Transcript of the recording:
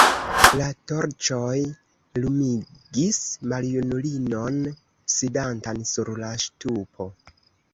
La torĉoj lumigis maljunulinon, sidantan sur la ŝtupo.